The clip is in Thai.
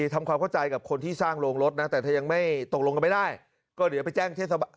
ทำความเข้าใจกับคนที่สร้างโรงรถนะแต่ถ้ายังไม่ตกลงกันไม่ได้ก็เดี๋ยวไปแจ้งเทศบาล